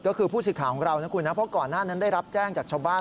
ก็คือผู้สื่อข่าวของเรานะคุณนะเพราะก่อนหน้านั้นได้รับแจ้งจากชาวบ้าน